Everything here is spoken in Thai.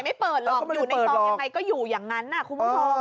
ไม่เปิดหรอกอยู่ในซองยังไงก็อยู่อย่างนั้นนะคุณผู้ชม